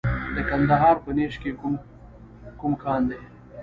د کندهار په نیش کې کوم کان دی؟